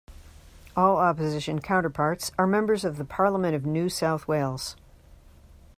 All Opposition counterparts are members of the Parliament of New South Wales.